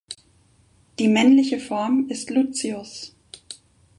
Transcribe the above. Die männliche Form ist Lucius.